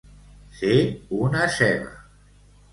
Ser una ceba.